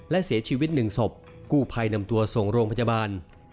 และเสียชีวิตหนึ่งศพกู้ภัยนำตัวส่งโรงพยาบาล